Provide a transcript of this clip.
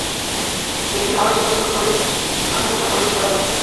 দেখি, আড়াইশো বছর পরে আনউই কোথায় এসে দাঁড়ালো।